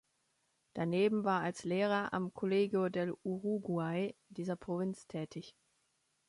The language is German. Daneben war als Lehrer am Colegio del Uruguay dieser Provinz tätig.